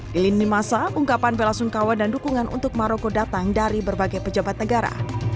di lini masa ungkapan bela sungkawa dan dukungan untuk maroko datang dari berbagai pejabat negara